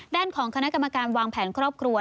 ด้านของคณะกรรมการวางแผนครอบครัว